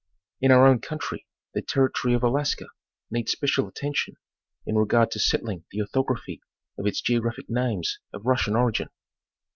In our own country the territory of Alaska needs special atten tion in regard to settling the orthography of its geographic names of Russian origin.